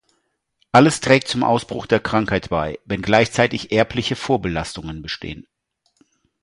Alles trägt zum Ausbruch der Krankheit bei, wenn gleichzeitig erbliche Vorbelastungen bestehen.